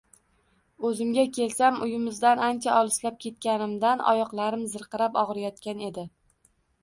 O`zimga kelsam, uyimizdan ancha olislab ketganimdan, oyoqlarim zirqirab og`riyotgan ekan